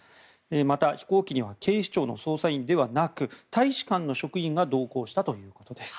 また、飛行機には警視庁の捜査員ではなく大使館の職員が同行したということです。